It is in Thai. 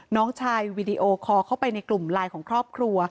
น้องชายวีดีโอคอลเข้าไปในกลุ่มไลน์ของครอบครัว